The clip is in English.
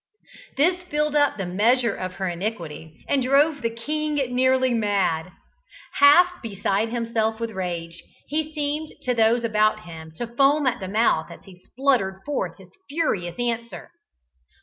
This filled up the measure of her iniquity, and drove the king nearly mad. Half beside himself with rage, he seemed to those about him to foam at the mouth as he spluttered forth his furious answer.